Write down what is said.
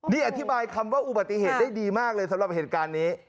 นี่อธิบายคำว่าอุบัติเหตุได้ดีมากเลยสำหรับเหตุการณ์นี้